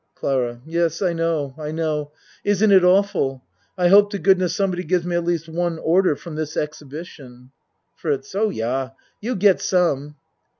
CLARA Yes I know I know. Isn't it awful? I hope to goodness somebody gives me at least one order from this exhibition. FRITZ Oh, yah, you get some.